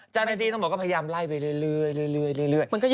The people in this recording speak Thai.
เจ้าหน้าที่ต้องบอกว่าพยายามไล่ไปเรื่อย